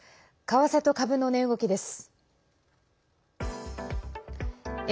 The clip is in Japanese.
為替と株の値動きです。